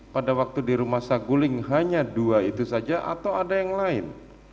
pada waktu di rumah saguling hanya dua itu saja atau ada yang lain